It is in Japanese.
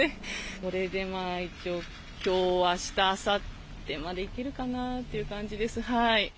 これで一応、きょう、あした、あさってまでいけるかなという感